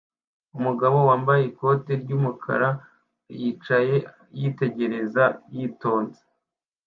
Umugabo wambaye ikoti ry'umukara yicaye yitegereza yitonze